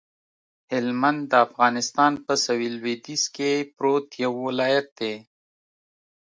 هلمند د افغانستان په سویل لویدیځ کې پروت یو ولایت دی